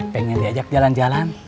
pengen diajak jalan jalan